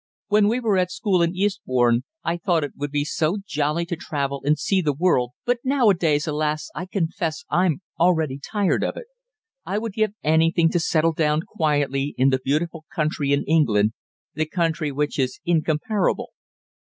"When we were at school at Eastbourne I thought it would be so jolly to travel and see the world, but now a days, alas! I confess I'm already tired of it. I would give anything to settle down quietly in the beautiful country in England the country which is incomparable."